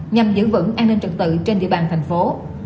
nhằm giữ vững an ninh trực tự trên địa bàn thành phố